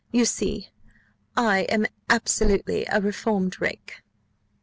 You see I am absolutely a reformed rake."